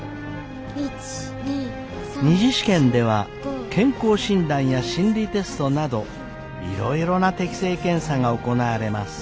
２次試験では健康診断や心理テストなどいろいろな適性検査が行われます。